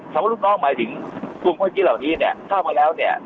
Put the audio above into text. ลูกน้องหมายถึงกลุ่มคนที่เหล่านี้เนี่ยเข้ามาแล้วเนี่ย